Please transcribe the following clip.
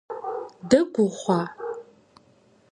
Дэгу ухъуа?